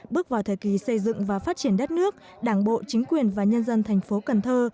bước vào thời kỳ xây dựng và phát triển đất nước đảng bộ chính quyền và nhân dân thành phố cần thơ